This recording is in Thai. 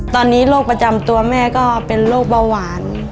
ตอนนี้โรคประจำตัวแม่ก็เป็นโรคเบาหวาน